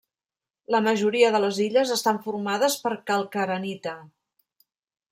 La majoria de les illes estan formades per calcarenita.